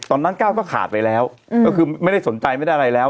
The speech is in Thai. ก้าวก็ขาดไปแล้วก็คือไม่ได้สนใจไม่ได้อะไรแล้ว